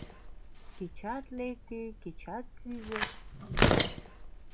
Кечат лекте, кечат кӱзыш